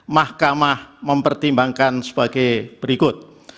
mahkamah mempertimbangkan sebagai berikut